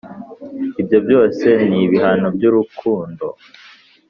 ibyo byose ni ibihano by’urukundooo